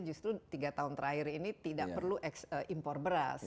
justru tiga tahun terakhir ini tidak perlu impor beras